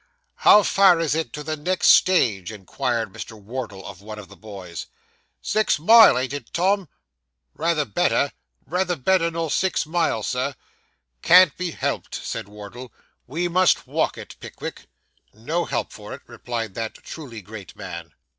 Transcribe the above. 'How far is it to the next stage?' inquired Mr. Wardle, of one of the boys. 'Six mile, ain't it, Tom?' 'Rayther better.' 'Rayther better nor six mile, Sir.' 'Can't be helped,' said Wardle, 'we must walk it, Pickwick.' 'No help for it,' replied that truly great man.